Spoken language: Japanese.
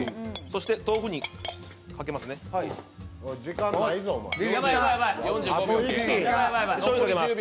そして豆腐にかけます。